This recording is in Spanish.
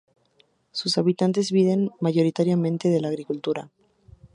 Sus habitantes viven mayoritariamente de la agricultura.